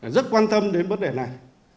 rất quan tâm đến vấn đề này